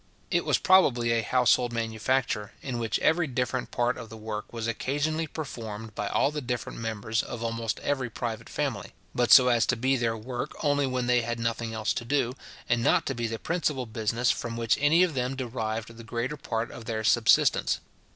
It was probably a household manufacture, in which every different part of the work was occasionally performed by all the different members of almost every private family, but so as to be their work only when they had nothing else to do, and not to be the principal business from which any of them derived the greater part of their subsistence.